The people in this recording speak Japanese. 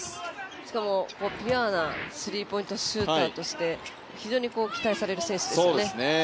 しかも、ピュアなスリーポイントシューターとして非常に期待される選手ですよね。